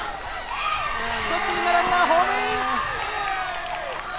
そして今、ランナーホームイン！